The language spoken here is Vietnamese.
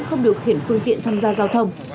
không điều khiển phương tiện tham gia giao thông